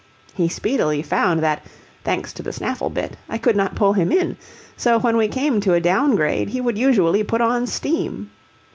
He speedily found that, thanks to the snaffle bit, I could not pull him in, so when we came to a down grade he would usually put on steam.